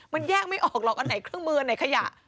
มันแยกไม่ออกหรอกอันไหนเครื่องมืออันไหนขยะ